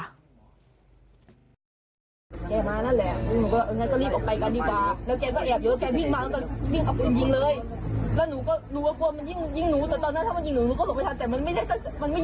แล้วก็มันยิงอีกหน้านึงแล้วหนูก็รีบวิ่งมาขึ้นรถ